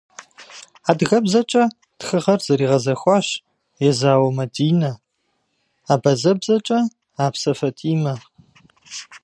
АдыгэбзэкӀэ тхыгъэр зэригъэзэхуащ Езауэ Мадинэ, абазэбэкӀэ - Апсэ ФатӀимэ.